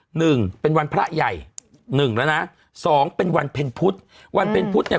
หนึ่งเป็นวันพระใหญ่หนึ่งแล้วนะสองเป็นวันเพ็ญพุธวันเพ็ญพุธเนี่ย